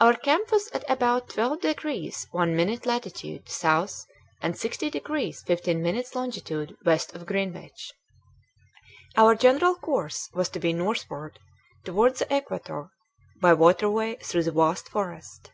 Our camp was at about 12 degrees 1 minute latitude south and 60 degrees 15 minutes longitude west of Greenwich. Our general course was to be northward toward the equator, by waterway through the vast forest.